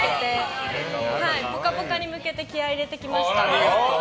「ぽかぽか」に向けて気合入れてきました。